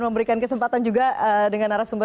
memberikan kesempatan juga dengan arah sumber